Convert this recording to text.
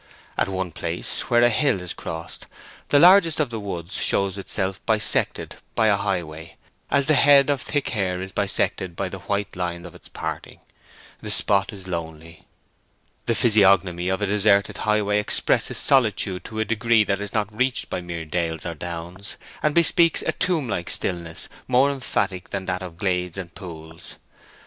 At one place, where a hill is crossed, the largest of the woods shows itself bisected by the high way, as the head of thick hair is bisected by the white line of its parting. The spot is lonely. The physiognomy of a deserted highway expresses solitude to a degree that is not reached by mere dales or downs, and bespeaks a tomb like stillness more emphatic than that of glades and pools.